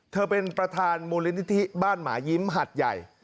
เธอเป็นประธานบริษฐีบ้านหมายิ้มหัดใหญ่